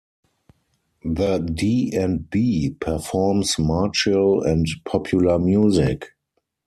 The D and B performs martial and popular music.